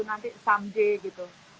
nanti samde gitu